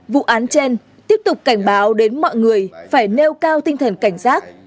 vụ án trên tiếp tục cảnh báo đến mọi người phải nêu cao tinh thần cảnh giác